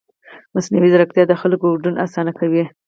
مصنوعي ځیرکتیا د خلکو ګډون اسانه کوي.